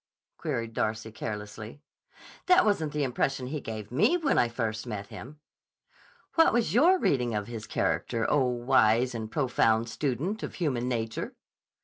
queried Darcy carelessly. "That wasn't the impression he gave me when I first met him." "What was your reading of his character, oh, wise and profound student of human nature?"